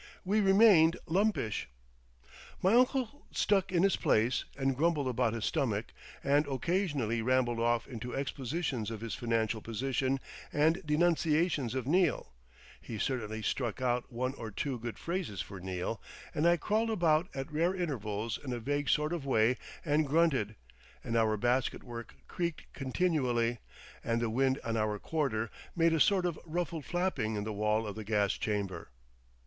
We remained lumpish. My uncle stuck in his place and grumbled about his stomach, and occasionally rambled off into expositions of his financial position and denunciations of Neal—he certainly struck out one or two good phrases for Neal—and I crawled about at rare intervals in a vague sort of way and grunted, and our basketwork creaked continually, and the wind on our quarter made a sort of ruffled flapping in the wall of the gas chamber.